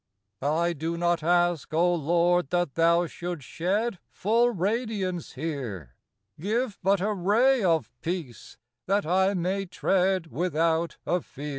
I do not ask, O Lord, that Thou shouldst shed Full radiance here; Give but a ray of peace, that I may tread Without a fear.